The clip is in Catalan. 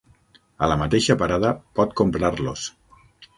A la mateixa parada pot comprar-los.